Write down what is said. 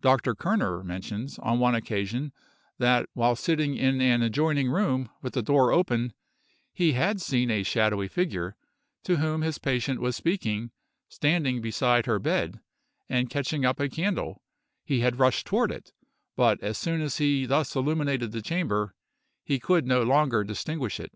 Dr. Kerner mentions, on one occasion, that while sitting in an adjoining room, with the door open, he had seen a shadowy figure, to whom his patient was speaking, standing beside her bed; and catching up a candle, he had rushed toward it; but as soon as he thus illuminated the chamber, he could no longer distinguish it.